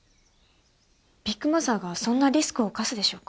ビッグマザーがそんなリスクを冒すでしょうか？